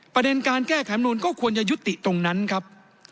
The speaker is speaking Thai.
ประเด็นการแก้ไขมนุนก็ควรจะยุติตรงนั้นครับ